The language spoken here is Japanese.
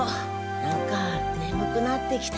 なんかねむくなってきた。